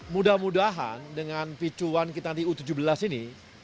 mudah mudahan dengan picuan kita di u tujuh belas ini